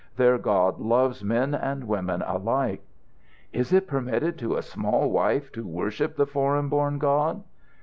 Their God loves men and women alike." "Is it permitted to a small wife to worship the foreign born God?"